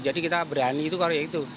jadi kita berani itu kalau ya itu